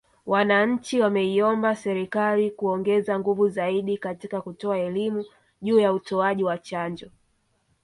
Wananchi wameiomba Serikali kuongeza nguvu zaidi katika kutoa elimu juu ya utoaji wa chanjo